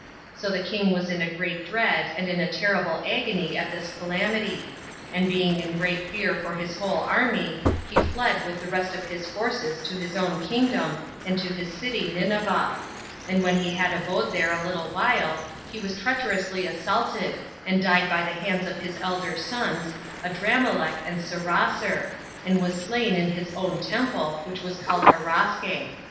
So the king was in a great dread and in a terrible agony at this calamity; and being in great fear for his whole army, he fled with the rest of his forces to his own kingdom, and to his city Nineveh; and when he had abode there a little while, he was treacherously assaulted, and died by the hands of his elder sons, 3 Adrammelech and Seraser, and was slain in his own temple, which was called Araske.